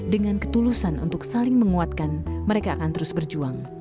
dengan ketulusan untuk saling menguatkan mereka akan terus berjuang